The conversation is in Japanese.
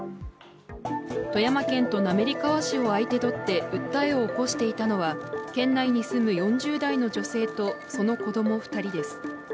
富山県と滑川市を相手取って訴えを起こしていたのは、県内に住む４０代の女性とその子供２人です。